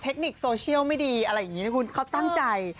เทคนิคโซเชียลไม่ดีอะไรอย่างนี้นะคุณเขาตั้งใจ